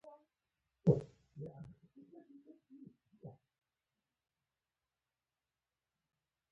آیا د ایران صنعتي سکتور فعال نه دی؟